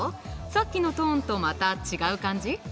さっきのトーンとまた違う感じ？